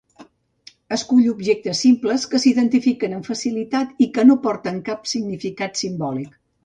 Escull objectes simples que s'identifiquen amb facilitat i que no porten cap significat simbòlic.